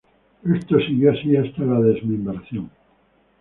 Esto permaneció así hasta la desmembración.